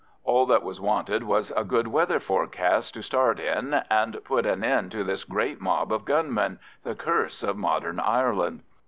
All that was wanted was a good weather forecast to start in, and put an end to this great mob of gunmen—the curse of modern Ireland.